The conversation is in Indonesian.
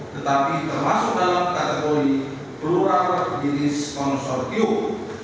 tetapi termasuk dalam kategori pelurang berjenis konsortium